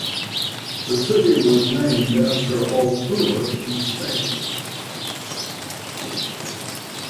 The city was named after Altura, in Spain.